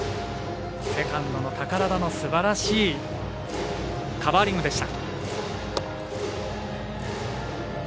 セカンドの寳田のすばらしいカバーリングでした。